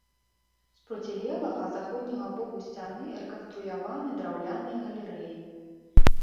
З процілеглага, заходняга боку сцяны рэканструяваны драўляныя галерэі.